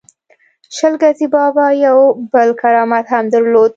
شل ګزی بابا یو بل کرامت هم درلود.